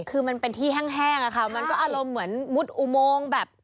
คือมันเป็นที่แห้งอะค่ะมันก็อารมณ์เหมือนมุดอุโมงแบบ